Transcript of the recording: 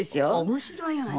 面白いわね。